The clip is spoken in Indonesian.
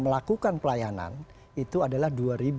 melakukan pelayanan itu adalah